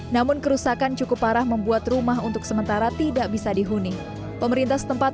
namun kerusakan cukup parah membuat rumah untuk sementara tidak bisa dihuni pemerintah setempat